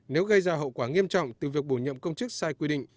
nếu gây ra hậu quả nghiêm trọng từ việc bổ nhiệm công chức sai quy định